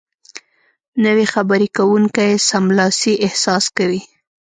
نو خبرې کوونکی سملاسي احساس کوي